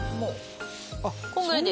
こんぐらいです。